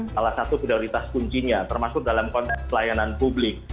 salah satu prioritas kuncinya termasuk dalam konteks pelayanan publik